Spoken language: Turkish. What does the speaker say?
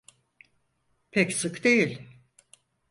Pek sık değil.